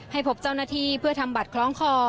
ให้พบเจ้าหน้าที่เพื่อทำบัตรคล้องคอ